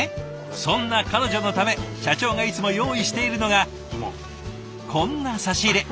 そんな彼女のため社長がいつも用意しているのがこんな差し入れ。